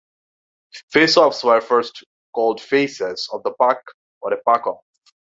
Face-offs were first called "faces" of the puck, or a "puck-off".